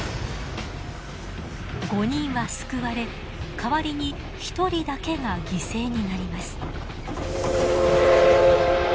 ５人は救われ代わりに１人だけが犠牲になります。